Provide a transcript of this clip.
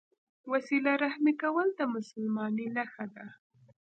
وسیله رحمي کول د مسلمانۍ نښه ده.